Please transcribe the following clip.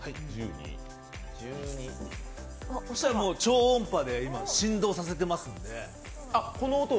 そしたら超音波で今、振動させてますので。